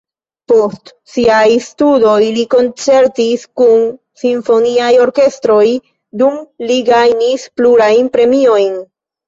Post siaj studoj li koncertis kun simfoniaj orkestroj, dum li gajnis plurajn premiojn.